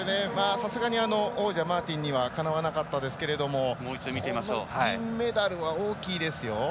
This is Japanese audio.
さすがに王者マーティンにはかなわなかったですけれどもこの銀メダルは大きいですよ。